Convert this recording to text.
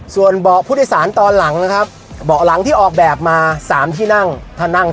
ส่วนเบาะพุทธศาลตอนหลังนะครับเบาะหลังที่ออกแบบมา๓ที่นั่ง